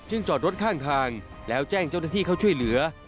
จอดรถข้างทางแล้วแจ้งเจ้าหน้าที่เข้าช่วยเหลือ